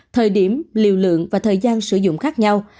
thời điểm liều lượng và thời gian sử dụng khác nhau